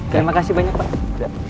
terima kasih banyak pak